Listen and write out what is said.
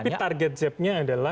tapi target jeb nya adalah